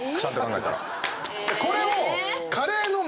これを。